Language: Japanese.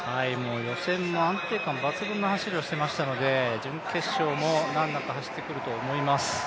予選も安定感抜群の走りをしていましたので準決勝も難なく走ってくると思います。